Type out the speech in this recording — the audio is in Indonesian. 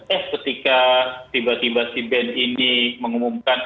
eh ketika tiba tiba si band ini mengumumkan